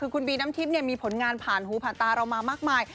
คือคุณบีน้ำทิพย์มีผลงานผ่านหูผ่านตาเรามามากมาย